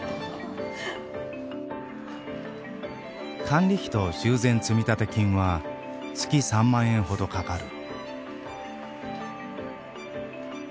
管理費と修繕積立金は月３万円ほどかかる。